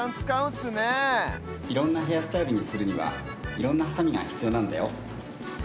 いろんなヘアスタイルにするにはいろんなハサミがひつようなんだよ。